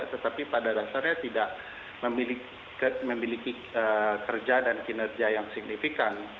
tetapi pada dasarnya tidak memiliki kerja dan kinerja yang signifikan